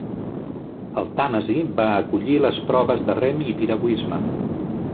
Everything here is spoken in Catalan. El Tàmesi va acollir les proves de rem i piragüisme.